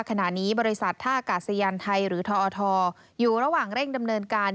ขณะนี้บริษัทท่ากาศยานไทยหรือทอทอยู่ระหว่างเร่งดำเนินการ